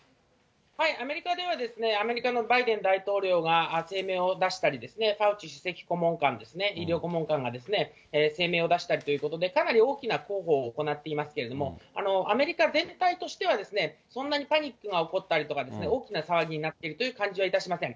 アメリカでは、アメリカのバイデン大統領が声明を出したりですね、ファウチ首席顧問官ですね、医療顧問官が声明を出したりということで、かなり大きな広報を行っていますけれども、アメリカ全体としては、そんなにパニックが起こったりとか、大きな騒ぎになっているという感じはいたしません。